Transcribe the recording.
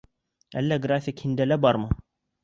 Әллә график һиндә лә бармы?